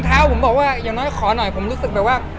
เท้าผมบอกว่าอย่างน้อยขอหน่อยผมรู้สึกแบบว่า